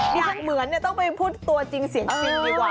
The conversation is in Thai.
อย่างเหมือนเนี่ยต้องไปพูดตัวจริงเสียงจริงดีกว่า